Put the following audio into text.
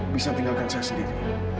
bisa tinggalkan saya sendiri